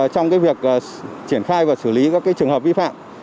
trong việc triển khai và xử lý các trường hợp vi phạm